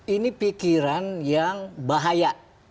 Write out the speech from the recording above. ini pikiran yang bahaya